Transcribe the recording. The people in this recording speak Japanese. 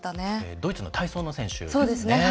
ドイツの体操の選手ですね。